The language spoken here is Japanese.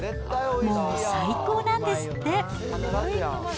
もう最高なんですって。